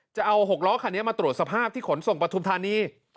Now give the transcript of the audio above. จะเอา๖ล้อคันนี้มาตรวจสภาพที่ขนส่งปฐุมธานี